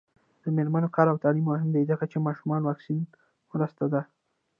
د میرمنو کار او تعلیم مهم دی ځکه چې ماشومانو واکسین مرسته ده.